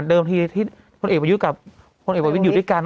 เดิมทีที่คนเอกประยุทธ์อยู่ด้วยกัน